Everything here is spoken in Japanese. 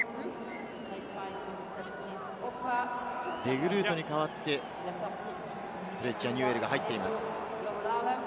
デグルートに代わってフレッチャー・ニューウェルが入っています。